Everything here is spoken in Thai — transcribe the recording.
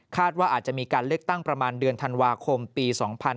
ว่าอาจจะมีการเลือกตั้งประมาณเดือนธันวาคมปี๒๕๕๙